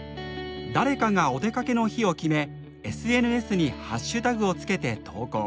誰かがお出かけの日を決めＳＮＳにハッシュタグをつけて投稿。